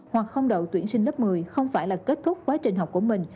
hoặc không đậu tuyển sinh lớp một mươi không phải là kết thúc quá trình học của mình